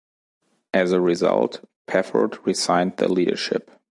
As a result, Pafford resigned the leadership.